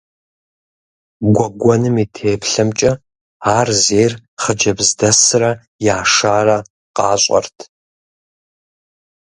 Гуэгуэным и теплъэмкӏэ, ар зейр хъыджэбз дэсрэ яшарэ къащӏэрт.